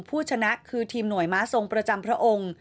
ผู้ชนะคือทีมหน่วยม้าทรงประจำพระองค์